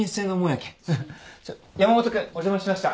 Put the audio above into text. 山本君お邪魔しました。